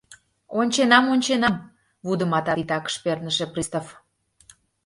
— Онченам, онченам, — вудымата титакыш перныше пристав.